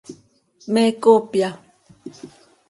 ¿Me coopya?